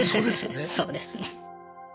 そうですね。